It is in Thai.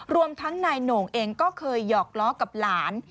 รวมทั้งนายโหน่งเองก็เคยหอกล้อกับหลาน